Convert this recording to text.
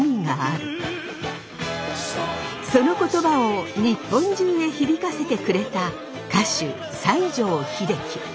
その言葉を日本中へ響かせてくれた歌手西城秀樹。